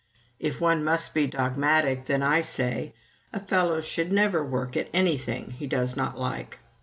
If one must be dogmatic, then I say, "A fellow should never work at anything he does not like."